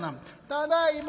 「ただいま。